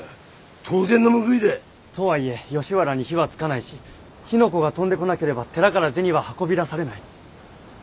当然の報いだ！とはいえ吉原に火はつかないし火の粉が飛んで来なければ寺から銭は運び出されない。